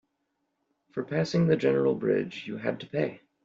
For passing the general bridge, you had to pay.